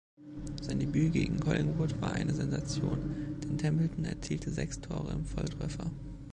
Sein Debüt gegen Collingwood war eine Sensation, denn Templeton erzielte sechs Tore im Volltreffer.